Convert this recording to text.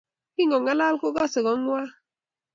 kingolal kokasei kongua